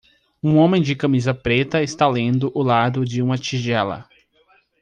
Um homem de camisa preta está lendo o lado de uma tigela